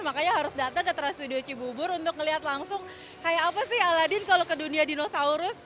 makanya harus datang ke trans studio cibubur untuk melihat langsung kayak apa sih aladin kalau ke dunia dinosaurus